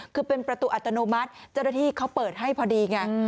คือเป็นประตูอัตโนมัติเจ้าหน้าที่เขาเปิดให้พอดีไง